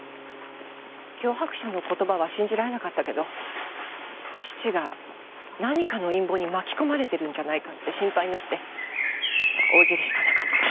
脅迫者の言葉は信じられなかったけど義父が何かの陰謀に巻き込まれてるんじゃないかって心配になって応じるしかなかった。